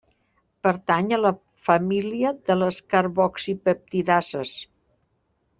Pertany a la família de les carboxipeptidases.